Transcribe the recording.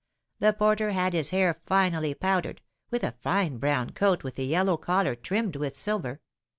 The porter had his hair finely powdered, with a fine brown coat with a yellow collar trimmed with silver.